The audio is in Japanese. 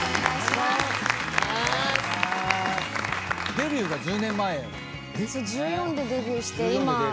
デビューが１０年前？え！